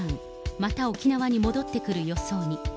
また沖縄に戻ってくる予想に。